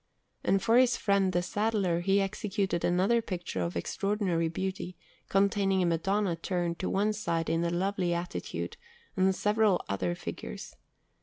And for his friend the saddler he executed another picture of extraordinary beauty, containing a Madonna turned to one side in a lovely attitude, and several other figures.